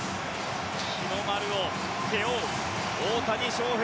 日の丸を背負う大谷翔平